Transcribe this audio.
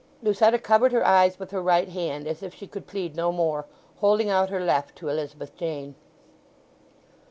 Lucetta covered her eyes with her right hand, as if she could plead no more, holding out her left to Elizabeth Jane.